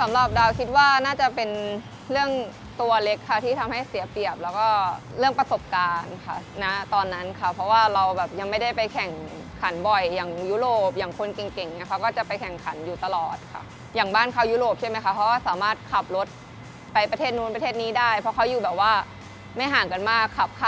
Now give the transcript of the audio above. สำหรับดาวคิดว่าน่าจะเป็นเรื่องตัวเล็กค่ะที่ทำให้เสียเปรียบแล้วก็เรื่องประสบการณ์ค่ะณตอนนั้นค่ะเพราะว่าเราแบบยังไม่ได้ไปแข่งขันบ่อยอย่างยุโรปอย่างคนเก่งเก่งเนี่ยเขาก็จะไปแข่งขันอยู่ตลอดค่ะอย่างบ้านเขายุโรปใช่ไหมคะเขาก็สามารถขับรถไปประเทศนู้นประเทศนี้ได้เพราะเขาอยู่แบบว่าไม่ห่างกันมากขับข้าม